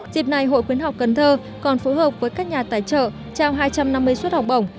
dịp này hội khuyến học tp cnh còn phối hợp với các nhà tài trợ trao hai trăm năm mươi xuất học bổng